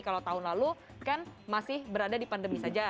kalau tahun lalu kan masih berada di pandemi saja